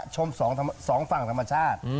ชม๒ฝั่งธรรมชาติ